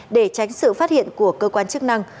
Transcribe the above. để tránh sự phát hiện của cơ quan chức năng